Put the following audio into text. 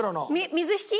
水引？